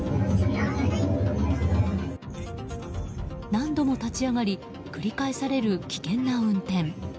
何度も立ち上がり繰り返される危険な運転。